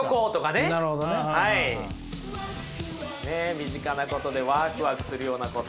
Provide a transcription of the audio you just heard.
身近なことでワクワクするようなこと。